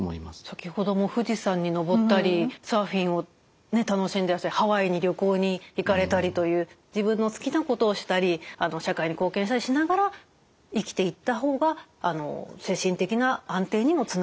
先ほども富士山に登ったりサーフィンを楽しんでいらしたりハワイに旅行に行かれたりという自分の好きなことをしたり社会に貢献したりしながら生きていった方が精神的な安定にもつながるということでしょうか？